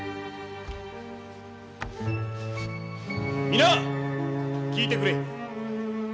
皆聞いてくれ。